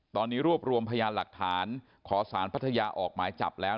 ตอนนี้รวบรวมพยานหลักฐานขอสารพัทยาออกหมายจับแล้ว